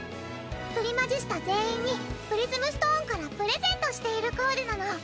プリマジスタ全員にプリズムストーンからプレゼントしているコーデなの。